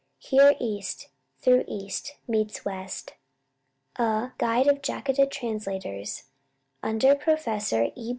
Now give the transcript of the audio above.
Here East, though East, meets West! A "Guild of Jataka Translators," under Professor E.